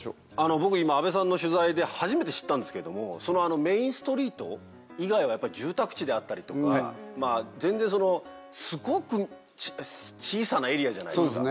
僕今阿部さんの取材で初めて知ったんですけどそのメインストリート以外は住宅地であったりとか全然すごく小さなエリアじゃないですか。